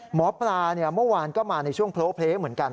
หมอปลาเมื่อวานก็มาในช่วงโพลเพลย์เหมือนกัน